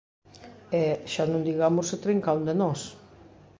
E, xa non digamos se trinca a un de nós!